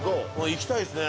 いきたいですね